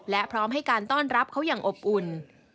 และพร้อมให้การต้อนรับเขาอย่างอบอุ่น